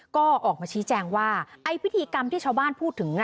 ก็ออกมาชี้แจงว่าไอ้พิธีกรรมที่ชาวบ้านพูดถึง